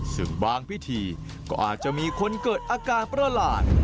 ซึ่งบางพิธีก็อาจจะมีคนเกิดอาการประหลาด